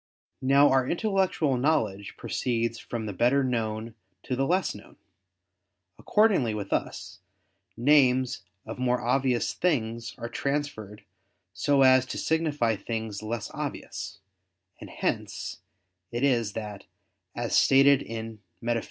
Now our intellectual knowledge proceeds from the better known to the less known. Accordingly with us, names of more obvious things are transferred so as to signify things less obvious: and hence it is that, as stated in _Metaph.